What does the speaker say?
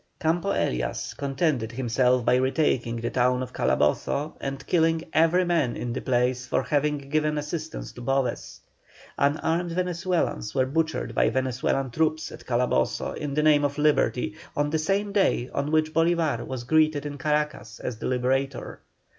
Campo Elias contented himself by retaking the town of Calabozo, and killing every man in the place for having given assistance to Boves. Unarmed Venezuelans were butchered by Venezuelan troops at Calabozo in the name of Liberty on the same day on which Bolívar was greeted in Caracas as the Liberator.